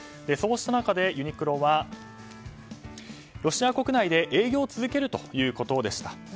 そうした中、ユニクロはロシア国内で営業を続けるということでした。